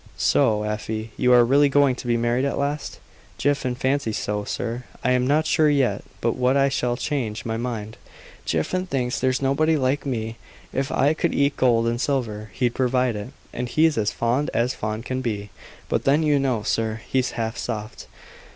"So, Afy, you are really going to be married at last?" "Jiffin fancies so, sir. I am not sure yet but what I shall change my mind. Jiffin thinks there's nobody like me. If I could eat gold and silver, he'd provide it; and he's as fond as fond can be. But then you know, sir, he's half soft."